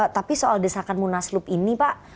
tapi soal desakan munaslup ini pak